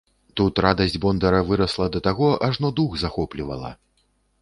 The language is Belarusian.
Тут радасць бондара вырасла да таго, ажно дух захоплівала.